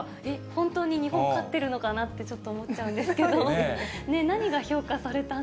本当に日本勝ってるのかなって、ちょっと思っちゃうんですけど、何が評価さ